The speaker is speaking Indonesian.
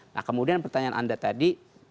nah kemudian pertanyaan anda tadi